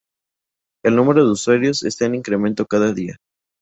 El número de usuarios está en incremento cada día.